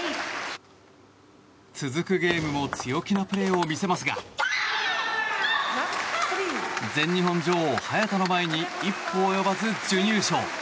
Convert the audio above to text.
続くゲームも強気のプレーを見せますが全日本女王・早田の前に一歩及ばず準優勝。